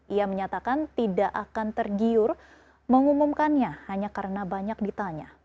ia menyatakan tidak akan tergiur mengumumkannya hanya karena banyak ditanya